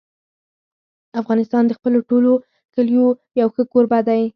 افغانستان د خپلو ټولو کلیو یو ښه کوربه دی.